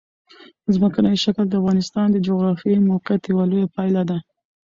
ځمکنی شکل د افغانستان د جغرافیایي موقیعت یوه لویه پایله ده.